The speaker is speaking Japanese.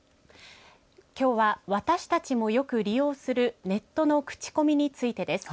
きょうは私たちもよく利用するネットのクチコミについてです。